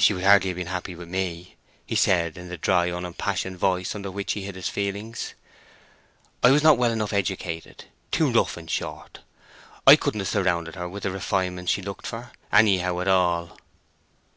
"She would hardly have been happy with me," he said, in the dry, unimpassioned voice under which he hid his feelings. "I was not well enough educated: too rough, in short. I couldn't have surrounded her with the refinements she looked for, anyhow, at all."